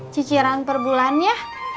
ciciran per bulannya